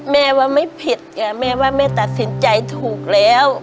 แม่ว่าไม่ผิดค่ะแม่ว่าแม่ตัดสินใจถูกแล้ว